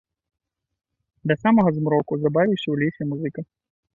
Да самага змроку забавіўся ў лесе музыка.